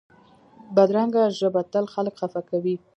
بدرنګه ژبه تل خلک خفه کوي